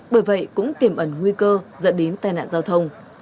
bởi vậy cũng tiềm ẩn nguy cơ dẫn đến tai nạn giao thông